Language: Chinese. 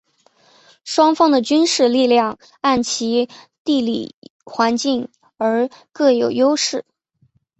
双方的军事力量按其地理环境而各有优势。